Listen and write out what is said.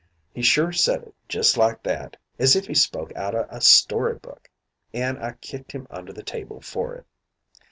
He sure said it just like that, as if he spoke out o' a story book. An' I kicked him under the table for it.